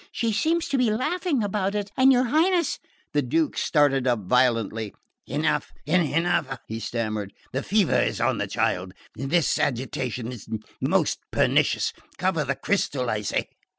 she seems to be laughing about it...and your Highness..." The Duke started up violently. "Enough enough!" he stammered. "The fever is on the child...this agitation is...most pernicious...Cover the crystal, I say!"